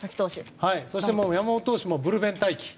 そして、山本投手もブルペン待機。